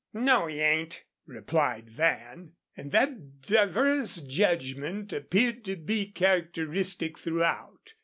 "No, he ain't," replied Van. And that diverse judgment appeared to be characteristic throughout.